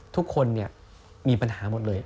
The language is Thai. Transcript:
ทุกคนมีปัญหาหมดเลย